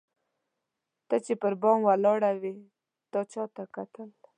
ته چي پر بام ولاړه وې تا چاته کتل؟